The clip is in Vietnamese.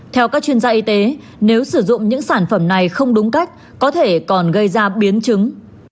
theo các chuyên gia y tế nếu sử dụng những sản phẩm này không đúng cách có thể còn gây ra biến chứng